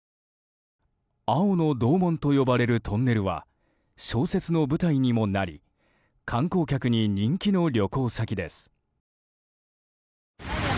青の洞門と呼ばれるトンネルは小説の舞台にもなり観光客に人気の旅行先です。